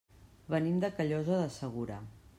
Venim de Callosa de Segura.